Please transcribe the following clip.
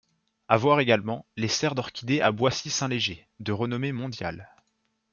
À voir également, les serres d’orchidées à Boissy-Saint-Léger, de renommée mondiale.